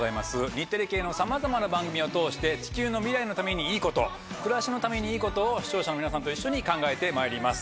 日テレ系のさまざまな番組を通して地球の未来のためにいいこと暮らしのためにいいことを視聴者の皆さんと一緒に考えてまいります。